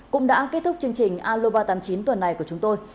cũng đã kết thúc chương trình aloba tám mươi chín tuần này của chúng tôi